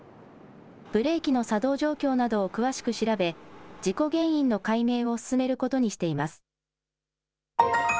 ブレーキの作動状況などを詳しく調べ、事故原因の解明を進めることにしています。